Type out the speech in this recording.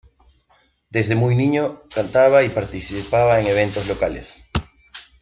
Desde muy niño cantaba y participaba en eventos locales.